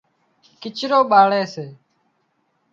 ڪچرو ٻاۯي سي